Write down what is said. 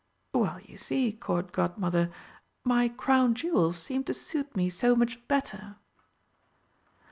"Well, you see, Court Godmother, my Crown jewels seem to suit me so much better."